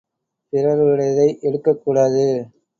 பிறருடையதை எடுக்கக் கூடாது!